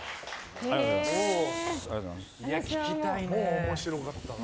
もう面白かったな。